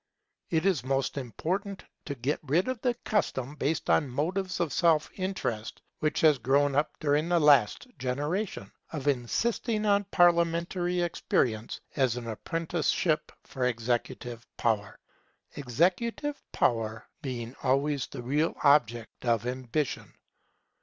It is most important to get rid of the custom, based on motives of self interest, which has grown up during the last generation, of insisting on parliamentary experience as an apprenticeship for executive power; executive power being always the real object of ambition.